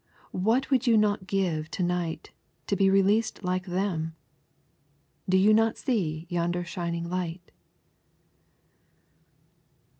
What would you not give to night to be released like them? Do you not see yonder shining light?